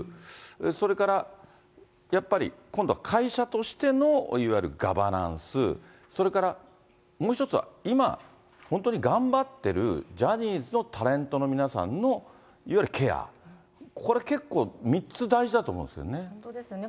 それから、やっぱり今度は会社としてのいわゆるガバナンス、それから、もう一つは今、本当に頑張ってる、ジャニーズのタレントの皆さんの、いわゆるケア、これ、結構、本当ですね。